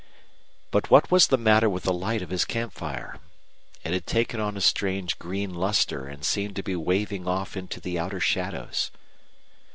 But what was the matter with the light of his camp fire? It had taken on a strange green luster and seemed to be waving off into the outer shadows.